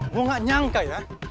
gue gak nyangka ya